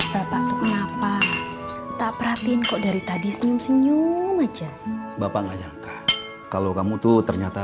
sampai jumpa di video selanjutnya